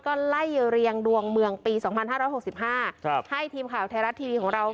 ก็ไล่เรียงดวงเมืองปีสองพันห้าร้อยหกสิบห้าครับให้ทีมข่าวไทยรัฐทีวีของเรา